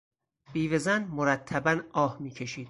بیوهزن مرتبا آه میکشید.